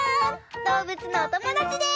どうぶつのおともだちです！